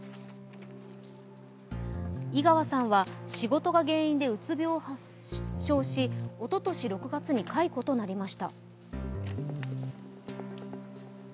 井川さんは仕事が原因でうつ病を発症し、おととし６月に解雇となりました。